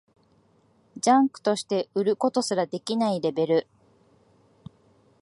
ジャンクとして売ることすらできないレベル